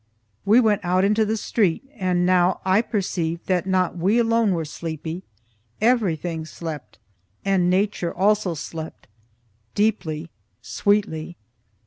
We went out into the street, and now I perceived that not we alone were sleepy; everything slept, and nature also slept, deeply, sweetly.